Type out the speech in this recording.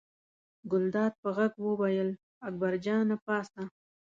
ګلداد په غږ وویل اکبر جانه پاڅه.